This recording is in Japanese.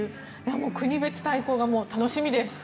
国別対抗戦が楽しみです。